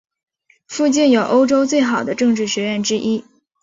附近有欧洲最好的政治学院之一。